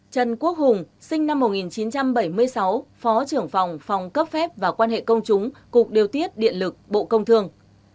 một trần quốc hùng sinh năm một nghìn chín trăm bảy mươi sáu phó trưởng phòng phòng cấp phép và quan hệ công chúng cục điều tiết điện lực bộ công thương